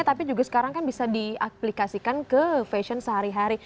tapi juga sekarang kan bisa diaplikasikan ke fashion sehari hari